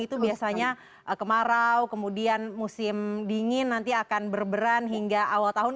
itu biasanya kemarau kemudian musim dingin nanti akan berberan hingga awal tahun